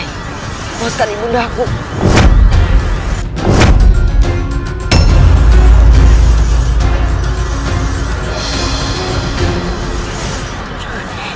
lepaskan ibu dami